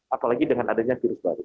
apalagi dengan adanya virus baru